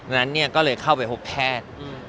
ดังนั้นเนี่ยก็เลยเข้าไปพบแพทย์